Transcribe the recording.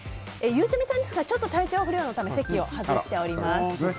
ゆうちゃみさんですがちょっと体調不良のため席を外しております。